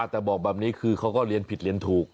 แต่บอกแบบนี้คือเขาก็เรียนผิดเรียนถูก